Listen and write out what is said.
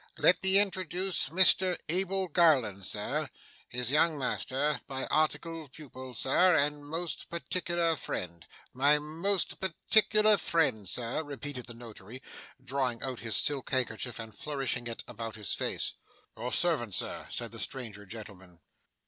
Let me introduce Mr Abel Garland, sir his young master; my articled pupil, sir, and most particular friend: my most particular friend, sir,' repeated the Notary, drawing out his silk handkerchief and flourishing it about his face. 'Your servant, sir,' said the stranger gentleman.